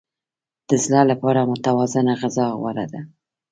د زړه لپاره متوازنه غذا غوره ده.